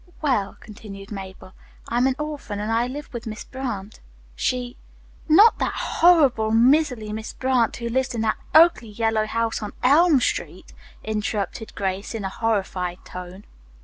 "Well," continued Mabel, "I'm an orphan, and I live with Miss Brant. She " "Not that horrible, miserly Miss Brant who lives in that ugly yellow house on Elm Street?" interrupted Grace in a horrified tone.